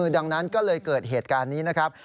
ดังนั้นก็เลยเกิดเหตุการณ์นี้นะครับ